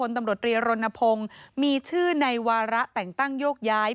ตำรวจรีรณพงศ์มีชื่อในวาระแต่งตั้งโยกย้าย